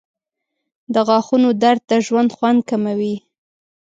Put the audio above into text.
• د غاښونو درد د ژوند خوند کموي.